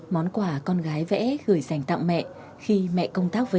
món quà con gái vẽ gửi dành tặng mẹ khi mẹ công tác với